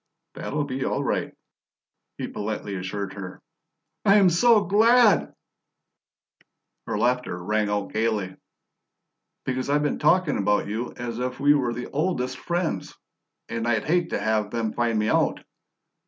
"That'll be all right," he politely assured her. "I am so glad." Her laughter rang out gaily. "Because I've been talking about you as if we were the OLDEST friends, and I'd hate to have them find me out.